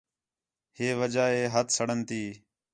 ہِے وجہ ہے ہتھ سڑݨ تی